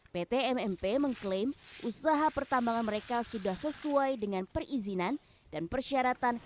pt mmp mengklaim usaha pertambangan mereka sudah sesuai dengan perizinan dan persyaratan